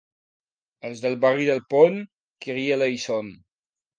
Els del barri del Pont, kirieleison.